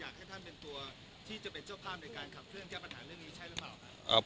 อยากให้ท่านเป็นตัวที่จะเป็นเจ้าภาพในการขับเครื่องเจ้าปัญหาเรื่องนี้ใช่หรือเปล่า